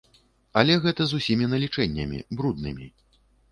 Але гэта з усімі налічэннямі, бруднымі.